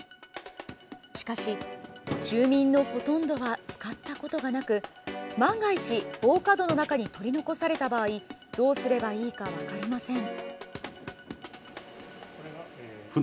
しかし、住民のほとんどは使ったことがなく万が一、防火戸の中に取り残された場合どうすればいいか分かりません。